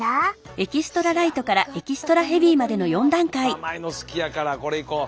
甘いの好きやからこれいこう。